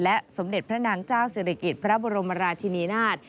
สมเด็จพระนางเจ้าศิริกิจพระบรมราชินีนาฏ